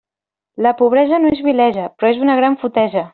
La pobresa no és vilesa, però és una gran fotesa.